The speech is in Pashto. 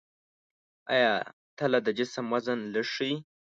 آیا تله د جسم وزن لږ ښيي؟